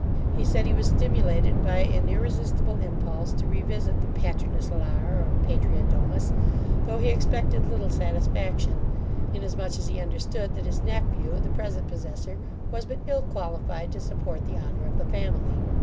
He said, he was stimulated by an irresistible impulse to revisit the paternus lar, or patria domus, though he expected little satisfaction, inasmuch as he understood that his nephew, the present possessor, was but ill qualified to support the honour of the family.